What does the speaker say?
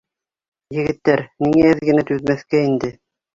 Егеттәр, ниңә әҙ генә түҙмәҫкә инде?!